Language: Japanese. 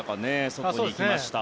外に行きました。